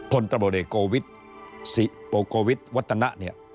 คนตำรวจเอกโกวิทย์สิโปโกวิทย์วัตถนะ